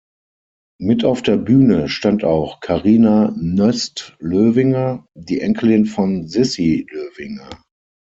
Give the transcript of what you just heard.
Mit auf der Bühne stand auch Karina Nöst-Löwinger, die Enkelin von Sissy Löwinger.